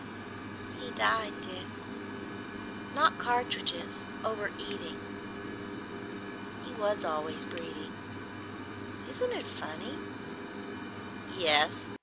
"He died, Dick. Not cartridges; over eating. He was always greedy. Isn't it funny?" "Yes.